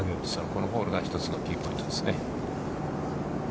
このホールが一つのキーポイントですね。